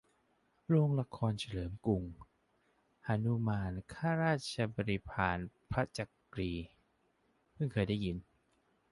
โรงละครเฉลิมกรุง :"หนุมานข้าราชบริพารพระจักรี" เพิ่งเคยได้ยิน